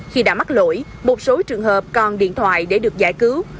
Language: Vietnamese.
khi đã mắc lỗi một số trường hợp còn điện thoại để được giải cứu